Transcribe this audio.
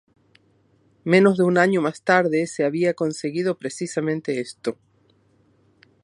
Menos de un año más tarde, se había conseguido precisamente esto.